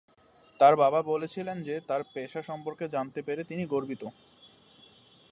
তার বাবা বলেছিলেন যে তাঁর পেশা সম্পর্কে জানতে পেরে তিনি "গর্বিত"।